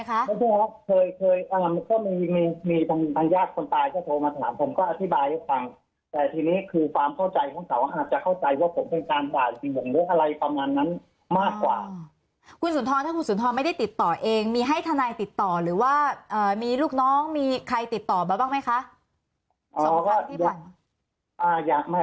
ค่ะเขาผู้ศูนย์เสียน่ะผมก็บอกตรงจะเข้าไป